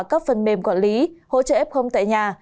các phần mềm quản lý hỗ trợ ép không tại nhà